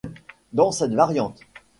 Dans cette variante,